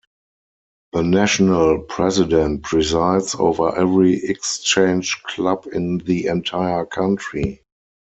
The national president presides over every Exchange Club in the entire country.